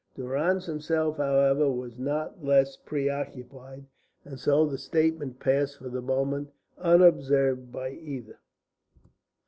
Durrance himself, however, was not less preoccupied, and so the statement passed for the moment unobserved by either.